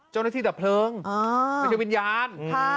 เจ้าหน้าที่แต่เพลิงไม่ใช่วิญญาณ